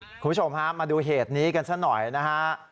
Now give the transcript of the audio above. คุณผู้ชมฮะมาดูเหตุนี้กันซะหน่อยนะฮะ